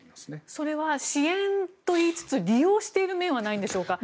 それは支援といいつつ利用している面はないんでしょうか。